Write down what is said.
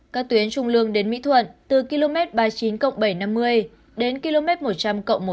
các tuyến trung lương đến mỹ thuận từ km ba mươi chín cộng bảy trăm năm mươi đến km một trăm linh cộng một trăm hai mươi sáu